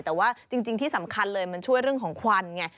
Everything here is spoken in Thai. แต่ว่าจริงที่สำคัญเลยมันช่วยเรื่องของควันไง